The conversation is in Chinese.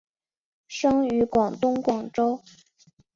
生于广东广州。